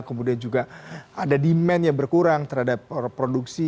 kemudian juga ada demand yang berkurang terhadap produksi